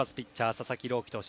佐々木朗希投手